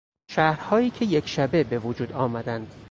شهرهایی که یک شبه به وجود آمدند